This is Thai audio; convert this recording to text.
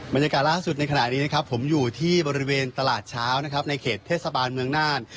บรรยากาศล่าสุดในขณะนี้นะครับผมอยู่ที่บริเวณตลาดเช้านะครับในเขตเทศบาลเมืองน่าน